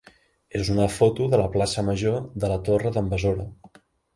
és una foto de la plaça major de la Torre d'en Besora.